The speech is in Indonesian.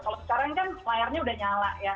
kalau sekarang kan layarnya udah nyala ya